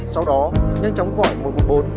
sau đó nhanh chóng gọi môi quân bôn